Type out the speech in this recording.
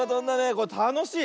これたのしい。